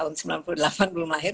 tahun sembilan puluh delapan belum lahir